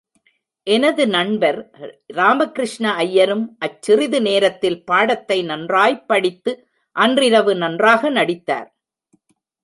எனது நண்பர் ராமகிருஷ்ண ஐயரும் அச் சிறிது நேரத்தில் பாடத்தை நன்றாய்ப் படித்து அன்றிரவு நன்றாக நடித்தார்.